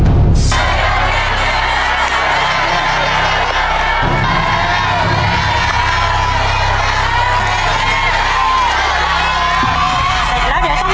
เสร็จแล้วเดี๋ยวต้องรีบมานี่นะครับ